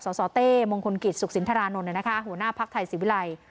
สเต้มงคลกิจศูกษินทรานนท์หัวหน้าพรรคไทยสิวิรัย